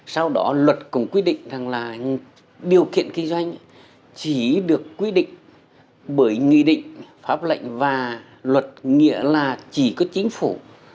sau đó luật cũng quy định rằng là điều kiện kinh doanh chỉ được quy định bởi nghị định pháp lệnh và luật nghĩa là chỉ có chính phủ